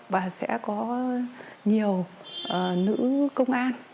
và sẽ có nhiều nữ công an